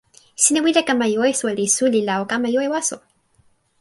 sina wile kama jo e soweli suli la o kama jo e waso.